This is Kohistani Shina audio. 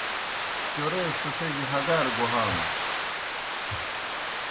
چورے ݜِݜِجیْ ہگار گُہانوْ